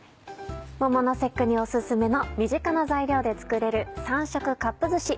桃の節句にオススメの身近な材料で作れる「３色カップずし」。